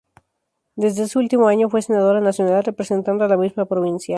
Desde ese último año fue senadora nacional, representando a la misma provincia.